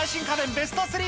ベスト３。